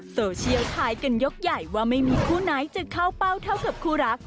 โซเชียลทายกันยกใหญ่ว่าไม่มีคู่ไหนจะเข้าเป้าเท่ากับคู่รัก